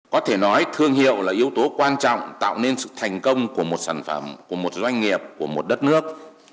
có thể nói thương hiệu là yếu tố quan trọng tạo nên sự thành công của một sản phẩm của một doanh nghiệp của một đất nước